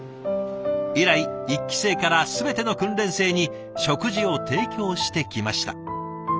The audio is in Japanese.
以来１期生から全ての訓練生に食事を提供してきました。